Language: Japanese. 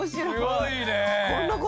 すごいね。